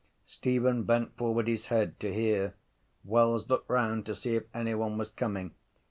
Stephen bent forward his head to hear. Wells looked round to see if anyone was coming.